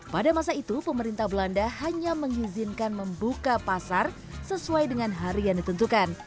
pada masa itu pemerintah belanda hanya mengizinkan membuka pasar sesuai dengan hari yang ditentukan